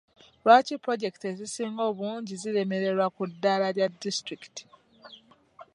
Lwaki puloojekiti ezisinga obungi ziremererwa ku ddaala lya disitulikiti?